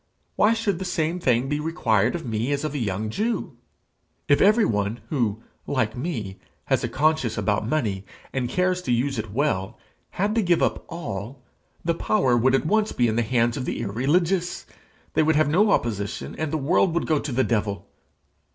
Why should the same thing be required of me as of a young Jew? If every one who, like me, has a conscience about money, and cares to use it well, had to give up all, the power would at once be in the hands of the irreligious; they would have no opposition, and the world would go to the devil!